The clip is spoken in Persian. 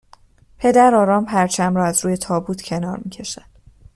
پدر آرام پرچم را از روی تابوت کنار میکشد